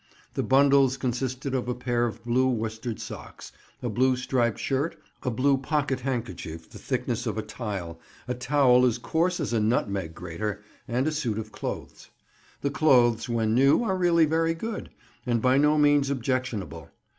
The bundles consisted of a pair of blue worsted socks, a blue striped shirt, a blue pocket handkerchief the thickness of a tile, a towel as coarse as a nutmeg grater, and a suit of clothes. The clothes, when new, are really very good, and by no means objectionable.